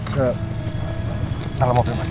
ke tala mobil mas